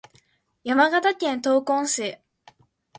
山形県東根市